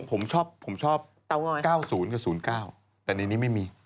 ผมชอบเก้าศูนย์กับศูนย์เก้าแต่ในนี้ไม่มี